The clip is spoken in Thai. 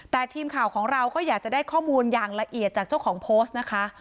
แต่ทีมข่าวของเราก็อยากจะได้ข้อมูลอย่างละเอียดจากเจ้าของโพสต์นะคะ